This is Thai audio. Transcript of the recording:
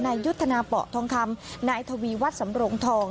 นายยุทธนปท้องคำนายถวีวัฒน์สำโลงทอง